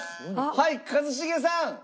はい一茂さん！